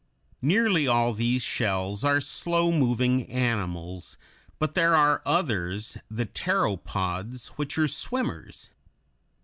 ] Nearly all these shells are slow moving animals, but there are others, the pteropods (Fig. 113), which are swimmers.